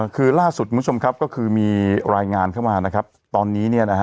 คือล่าสุดคุณผู้ชมครับก็คือมีรายงานเข้ามาตอนนี้